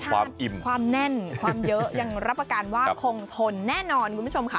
ความอิ่มความแน่นความเยอะยังรับประกันว่าคงทนแน่นอนคุณผู้ชมค่ะ